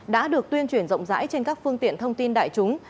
đã được tuyên truyền rộng rãi trên các phương tiện thông tin đại chúng